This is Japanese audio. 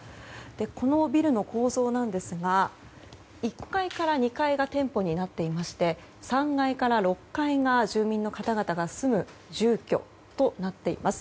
このビルの構造なんですが１階から２階が店舗になっていまして３階から６階が住民の方々が住む住居となっています。